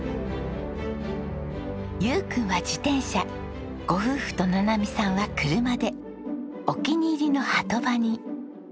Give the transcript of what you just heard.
悠君は自転車ご夫婦とななみさんは車でお気に入りの波止場に。